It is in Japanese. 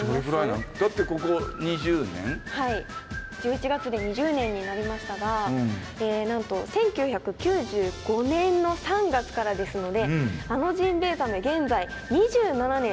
だってここ２０年？１１月で２０年になりましたがなんと１９９５年の３月からですのであのジンベエザメ現在２７年８か月